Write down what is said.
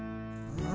うん？